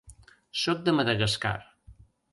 Soc de Madagascar.